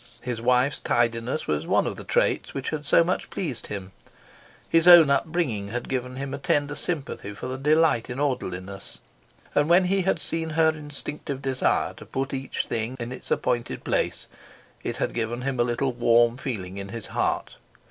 His wife's tidiness was one of the traits which had so much pleased him; his own upbringing had given him a tender sympathy for the delight in orderliness; and when he had seen her instinctive desire to put each thing in its appointed place it had given him a little warm feeling in his heart.